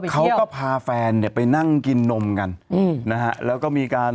เขาก็พาแฟนไปนั่งกินนมกันนะแล้วก็มีการลง